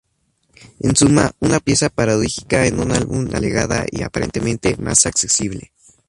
En suma, una pieza paradójica en un álbum alegada y aparentemente más accesible.